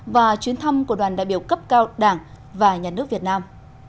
và chuyến thăm của đoàn đại biểu cấp cao đảng và nhà nước việt nam